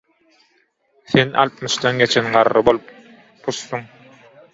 sen altmyşdan geçen garry bol – puçsuň.